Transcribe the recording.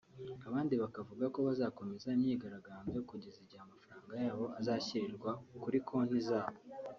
abandi bakavuga ko bazakomeza imyigaragambyo kugeza igihe amafaranga yabo azashyirirwa kuri konti zabo